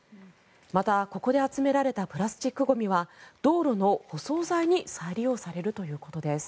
また、ここで集められたプラスチックゴミは道路の舗装材に再利用されるということです。